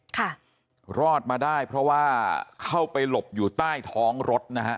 ค่ะรอดมาได้เพราะว่าเข้าไปหลบอยู่ใต้ท้องรถนะฮะ